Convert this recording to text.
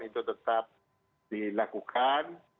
itu tetap dilakukan